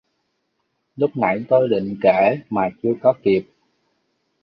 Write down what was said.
Lúc nãy tôi định Kể mà chưa có kịp